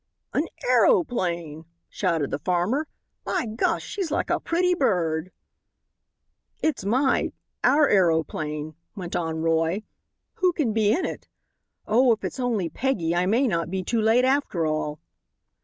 "An aeroplane!" shouted the farmer. "By gosh, she's like a pretty bird." "It's my our aeroplane," went on Roy; "who can be in it? Oh, if it's only Peggy I may not be too late after all."